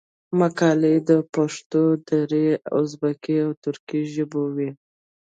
مقالي په پښتو، دري، ازبکي او ترکي ژبو وې.